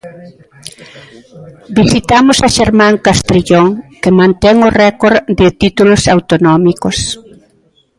Visitamos a Xermán Castrillón, que mantén o récord de títulos autonómicos.